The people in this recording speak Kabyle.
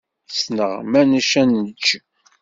Ssneɣ manec ad neǧǧ.